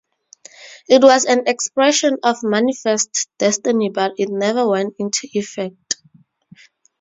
It was an expression of Manifest Destiny but it never went into effect.